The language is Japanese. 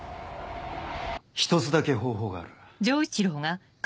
一つだけ方法がある。